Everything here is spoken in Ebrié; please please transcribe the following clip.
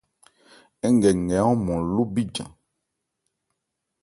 Ń gɛ nkɛ ɔ́nmɔn lo bijan.